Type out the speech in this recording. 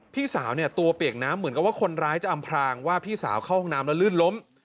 พี่สาวเนี่ยตัวเปียกน้ำเหมือนกับว่าคนร้ายจะอำพรางว่าพี่สาวเข้าห้องน้ำแล้วลื่นล้ม